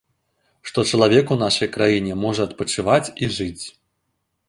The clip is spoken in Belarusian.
Што чалавек у нашай краіне можа адпачываць і жыць.